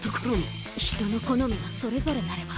人の好みはそれぞれなれば。